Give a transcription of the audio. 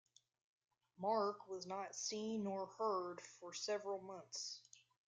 Mark was not seen nor heard from for several months.